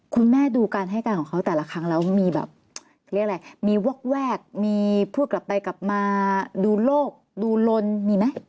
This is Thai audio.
คุณแม่ดูการให้การของเขาแต่ละครั้งแล้วมีแบบเรียกอะไรมีวอกแวกมีพูดกลับไปกลับมาดูโลกดูลนมีไหม